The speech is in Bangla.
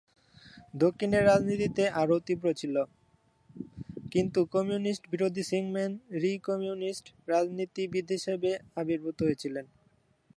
দক্ষিণের রাজনীতিতে আরও তীব্র ছিল, কিন্তু কমিউনিস্ট বিরোধী সিং ম্যান রি কমিউনিস্ট রাজনীতিবিদ হিসেবে আবির্ভূত হয়েছিলেন।